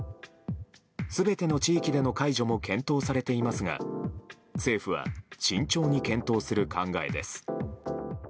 全ての地域での解除も検討されていますが政府は、慎重に検討する考えです。